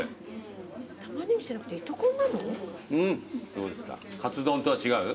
どうですかカツ丼とは違う？